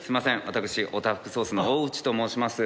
私オタフクソースの大内と申します。